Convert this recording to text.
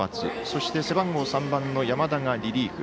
そして、背番号３番の山田がリリーフ。